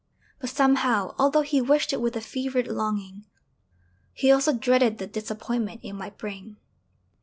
But somehow, although he wished it with a fevered longing, he also dreaded the disappointment it might bring.